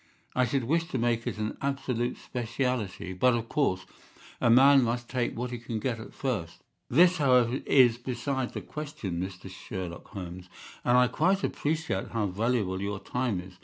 I should wish to make it an absolute specialty, but, of course, a man must take what he can get at first. This, however, is beside the question, Mr. Sherlock Holmes, and I quite appreciate how valuable your time is.